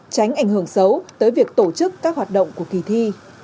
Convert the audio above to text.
tránh ảnh hưởng xấu tới việc tổ chức các hoạt động của kỳ thi